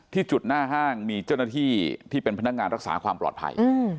จุดหน้าห้างมีเจ้าหน้าที่ที่เป็นพนักงานรักษาความปลอดภัย